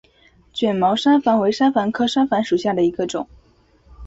卷毛山矾为山矾科山矾属下的一个种。